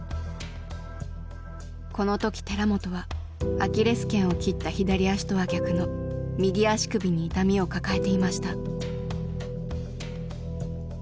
この時寺本はアキレス腱を切った左足とは逆の右足首に痛みを抱えていました。